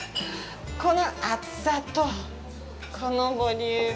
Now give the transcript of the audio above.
この厚さと、このボリューム！